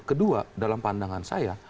kedua dalam pandangan saya